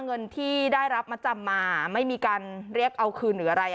เงินที่ได้รับมาจำมาไม่มีการเรียกเอาคืนหรืออะไร